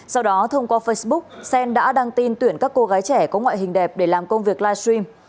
sau đó thông qua facebook xen đã đăng tin tuyển các cô gái trẻ có ngoại hình đẹp để làm công việc live stream